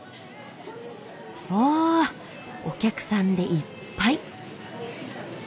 うわお客さんでいっぱい。